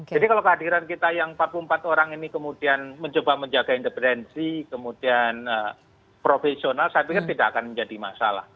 jadi kalau kehadiran kita yang empat puluh empat orang ini kemudian mencoba menjaga independensi kemudian profesional saya pikir tidak akan menjadi masalah